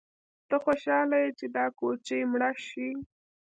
_ته خوشاله يې چې دا کوچۍ مړه شي؟